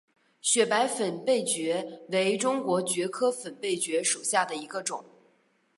雪白粉背蕨为中国蕨科粉背蕨属下的一个种。